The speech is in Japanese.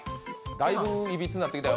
だいぶ、いびつになってきたよ。